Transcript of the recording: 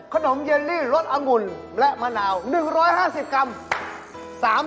เยลลี่รสองุ่นและมะนาว๑๕๐กรัม